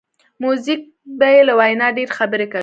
موزیک بې له وینا ډېری خبرې کوي.